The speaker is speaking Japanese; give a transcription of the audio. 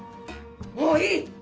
もういい！